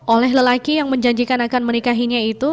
oleh lelaki yang menjanjikan akan menikahinya itu